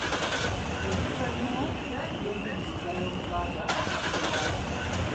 Ebintu ebimu mu by’enjigiriza y’Omuganda si biwandiike.